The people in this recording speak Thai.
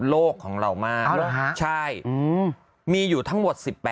ดำเนินคดีต่อไปนั่นเองครับ